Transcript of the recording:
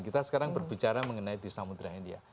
kita sekarang berbicara mengenai di samudera india